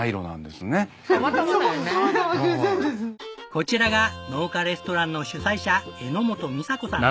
こちらが農家レストランの主宰者榎本みさ子さん。